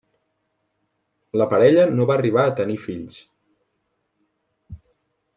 La parella no va arribar a tenir fills.